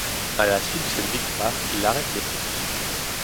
À la suite de cette victoire, il arrête les courses.